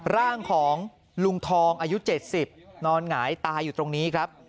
ร่างของลุงทองอายุ๗๐นอนหงายตายอยู่ตรงนี้ครับ